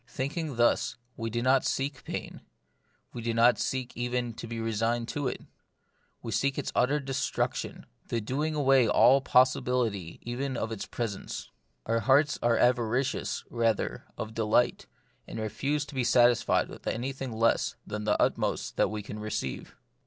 Thinking thus, we do not seek pain ; we do not seek even to be resigned to it : we seek its utter 82 The Mystery of Pain, destruction, the doing away all possibility even of its presence. Our hearts are avaricious, rather, of delight, and refuse to be satisfied with anything less than the utmost that we can receive.